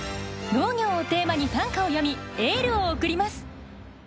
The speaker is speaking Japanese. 「農業」をテーマに短歌を詠みエールを送ります。